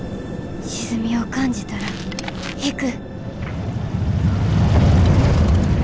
沈みを感じたら引く。